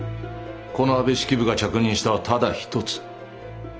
この安部式部が着任したはただ一つ。